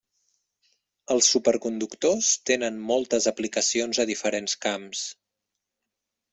Els superconductors tenen moltes aplicacions a diferents camps.